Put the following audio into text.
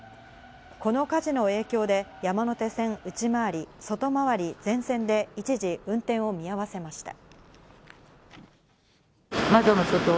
この火事の影響で山手線内回り・外回り全線で一時運転を見合わせました。